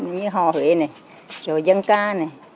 như hò huế này rồi văn ca này